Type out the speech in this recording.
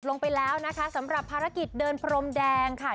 ลงไปแล้วนะคะสำหรับภารกิจเดินพรมแดงค่ะ